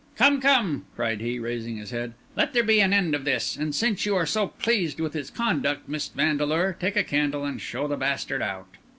"Come, come!" cried he, raising his head. "Let there be an end of this. And since you are so pleased with his conduct, Miss Vandeleur, take a candle and show the bastard out."